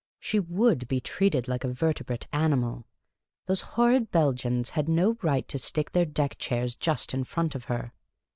She would be treated like a vertebrate animal. Those horrid Belgians had no right to stick their deck chairs just in front of her.